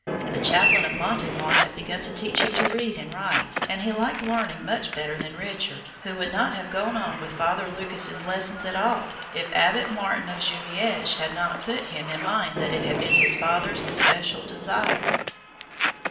The Chaplain of Montemar had begun to teach him to read and write, and he liked learning much better than Richard, who would not have gone on with Father Lucas's lessons at all, if Abbot Martin of Jumieges had not put him in mind that it had been his father's especial desire.